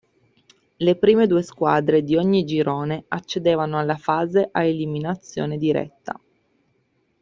Le prime due squadre di ogni girone accedevano alla fase a eliminazione diretta.